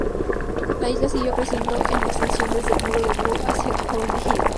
La isla siguió creciendo en extensión, desde el muro de Bull hacia Howth Head.